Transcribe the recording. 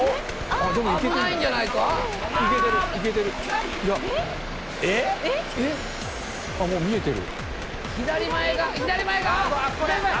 あっもう見えてる。